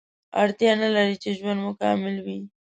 اړتیا نلري چې ژوند مو کامل وي